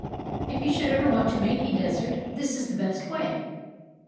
If you should ever want to make a desert, this is the best way.